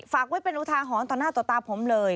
ฝากไว้เป็นอุทาหรณ์ต่อหน้าต่อตาผมเลย